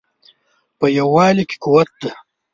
په یووالي کې قوت دی